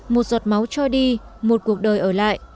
một giọt máu cho đi một cuộc đời ở lại